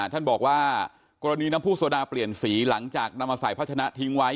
ท่านบอกว่ากรณีน้ำผู้โซดาเปลี่ยนสีหลังจากนำมาใส่พัชนะทิ้งไว้